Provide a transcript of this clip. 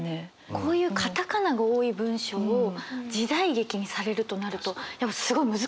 こういうカタカナが多い文章を時代劇にされるとなるとすごい難しい？